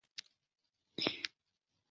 从来都不是停止练习的借口